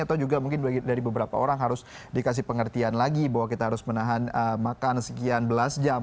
atau juga mungkin dari beberapa orang harus dikasih pengertian lagi bahwa kita harus menahan makan sekian belas jam